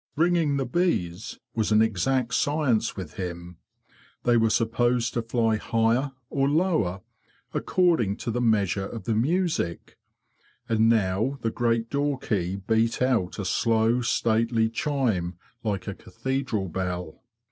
'' Ringing the hees '"' was an exact science with him. They were A BEE MAN OF THE 'FORTIES © 51 supposed to fly higher or lower according to the measure of the music; and now the great door key beat out a slow, stately chime like a cathedral bell.